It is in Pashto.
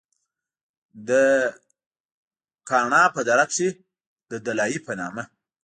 د کاڼا پۀ دره کښې د “دلائي” پۀ نامه